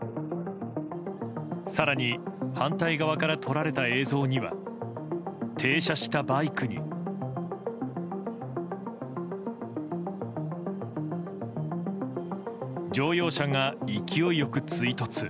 更に、反対側から撮られた映像には停車したバイクに乗用車が勢いよく追突。